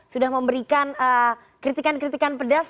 sudah memberikan kritikan kritikan pedas